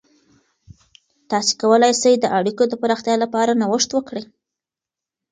تاسې کولای سئ د اړیکو د پراختیا لپاره نوښت وکړئ.